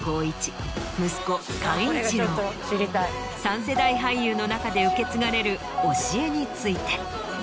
三世代俳優の中で受け継がれる教えについて。